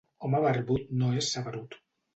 Home barbut no és saberut.